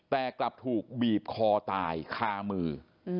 แต่กลับถูกบีบคอตายคามือ